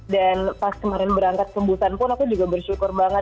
dan pas kemarin berangkat kembusan pun aku juga bersyukur banget